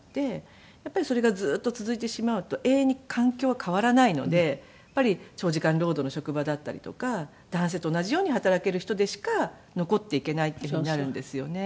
やっぱりそれがずっと続いてしまうと永遠に環境は変わらないので長時間労働の職場だったりとか男性と同じように働ける人でしか残っていけないっていうふうになるんですよね。